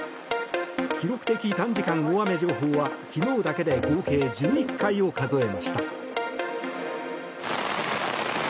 記録的短時間大雨情報は昨日だけで合計１１回を数えました。